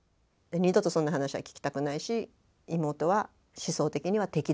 二度とそんな話は聞きたくないし妹は思想的には敵です。